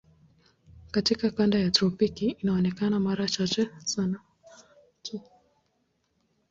Katika kanda ya tropiki inaonekana mara chache sana tu.